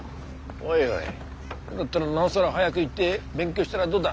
おいおいだったらなおさら早ぐ行って勉強したらどうだ。